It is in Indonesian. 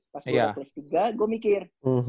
pas udah kelas tiga gue mikir